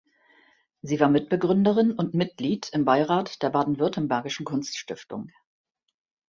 Sie war Mitbegründerin und Mitglied im Beirat der Baden-Württembergischen Kunststiftung.